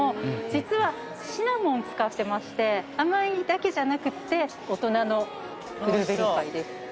実はシナモン使ってまして甘いだけじゃなくって大人のブルーベリーパイです。